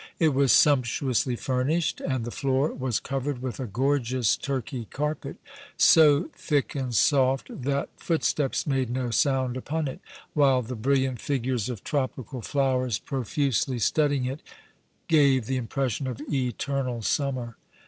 It was sumptuously furnished, and the floor was covered with a gorgeous Turkey carpet, so thick and soft that footsteps made no sound upon it, while the brilliant figures of tropical flowers profusely studding it gave the impression of eternal summer.